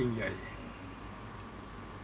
ก็ต้องทำอย่างที่บอกว่าช่องคุณวิชากำลังทำอยู่นั่นนะครับ